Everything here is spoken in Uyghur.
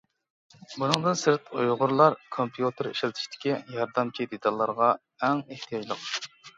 بۇنىڭدىن سىرت، ئۇيغۇرلار كومپيۇتېر ئىشلىتىشتىكى ياردەمچى دېتاللارغا ئەڭ ئېھتىياجلىق.